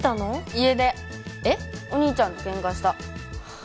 家出お兄ちゃんとケンカしたえっ？